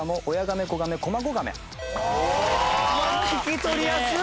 聞き取りやすっ！